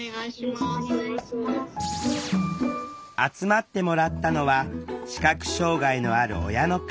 集まってもらったのは視覚障害のある親の会